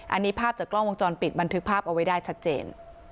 อันนี้ภาพจากกล้องวงจรปิดบันทึกภาพเอาไว้ได้ชัดเจน